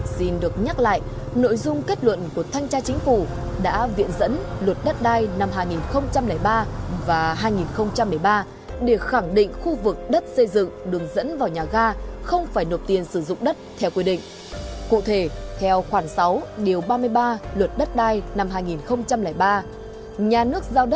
xin được nhắc lại nội dung kết luận của thanh tra chính phủ đã viện dẫn luật đất đai năm hai nghìn một mươi chín